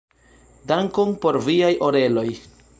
Dankon por Viaj oreloj.